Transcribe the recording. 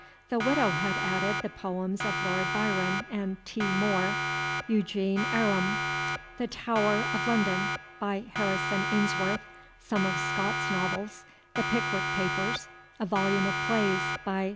The Widow had added the Poems of Lord Byron and T. Moore; "Eugene Aram;" "The Tower of London," by Harrison Ainsworth; some of Scott's Novels; "The Pickwick Papers;" a volume of Plays, by W.